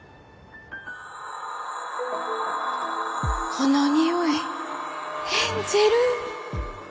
この匂いエンジェル！